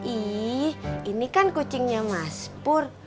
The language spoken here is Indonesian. ih ini kan kucingnya mas pur